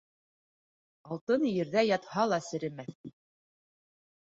Алтын ерҙә ятһа ла серемәҫ.